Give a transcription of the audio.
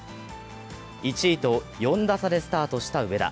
１位と４打差でスタートした上田。